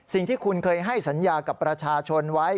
สิ่งที่คุณเคยให้สัญญากับประชาชนไว้